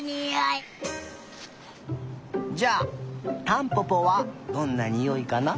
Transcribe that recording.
じゃあタンポポはどんなにおいかな。